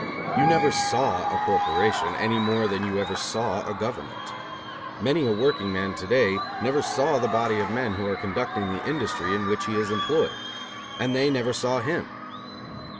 You never saw a corporation, any more than you ever saw a government. Many a workingman to day never saw the body of men who are conducting the industry in which he is employed. And they never saw him.